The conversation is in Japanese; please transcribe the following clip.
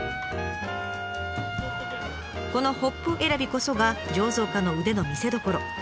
このホップ選びこそが醸造家の腕の見せどころ。